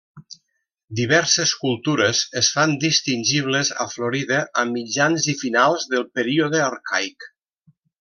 Diverses cultures es fan distingibles a Florida a mitjans i finals del període arcaic.